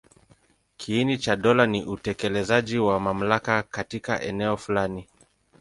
Kiini cha dola ni utekelezaji wa mamlaka katika eneo fulani.